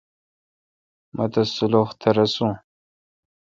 مہ تس سلخ تہ رݭون۔